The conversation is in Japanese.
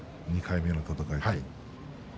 ２回目の戦いって。